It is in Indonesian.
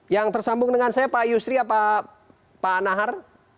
yang tersambung dengan saya pak yusri apa pak nahar